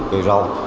ví dụ cây rau